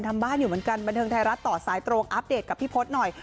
ต่อสายโตรงอัพเดทกับพี่พลสหน่อย